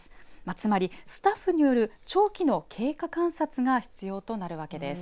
つまり、スタッフによる長期の経過観察が必要となるわけです。